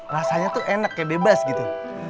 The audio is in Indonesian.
rasanya tuh enak kayak bebas gitu